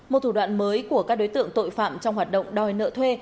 một thủ đoạn mới của các đối tượng tội phạm trong hoạt động đòi nợ thuê